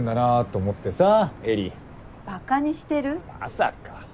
まさか。